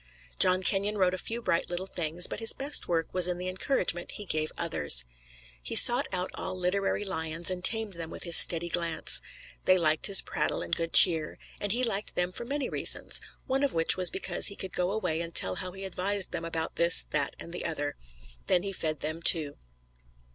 John Kenyon wrote a few bright little things, but his best work was in the encouragement he gave others. He sought out all literary lions and tamed them with his steady glance. They liked his prattle and good cheer, and he liked them for many reasons one of which was because he could go away and tell how he advised them about this, that and the other. Then he fed them, too.